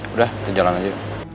udah kita jalan aja yuk